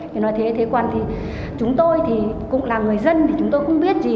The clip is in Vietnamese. thì nói thế còn thì chúng tôi thì cũng là người dân thì chúng tôi không biết gì